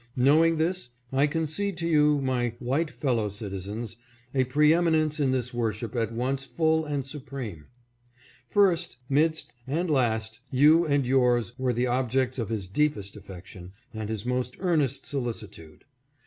Knowing this, I concede to you, my A FRIEND AND BENEFACTOR. 589 white fellow citizens, a preeminence in this worship at once full and supreme. First, midst, and last, you and yours were the objects of his deepest affection and his most earnest solicitude.